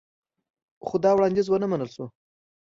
خو دا وړاندیز ونه منل شو